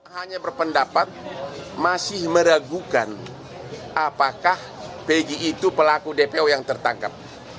hanya berpendapat masih meragukan apakah pg itu pelaku dpo yang tertangkap